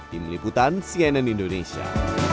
tim liputan cnn indonesia